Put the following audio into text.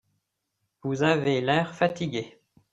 Vous avez l'air fatigué.